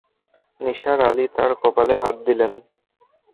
নিসার আলি তার কপালে হাত দিলেন।